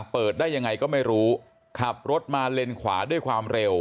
เปิดได้ยังไงก็ไม่รู้ขับรถมาเลนขวาด้วยความเร็ว